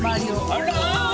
あら！